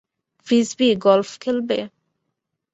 Frisbee golf খেলবে?